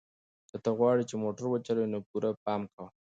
که ته غواړې چې موټر وچلوې نو پوره پام کوه.